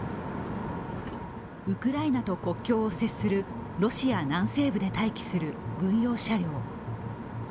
ウクライナと国境を接するロシア南西部で待機する軍用車両。